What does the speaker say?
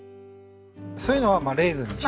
そういうのはレーズンにしたり。